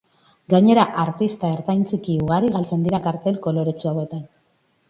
Gainera, artista ertain-txiki ugari galtzen dira kartel koloretsu hauetan.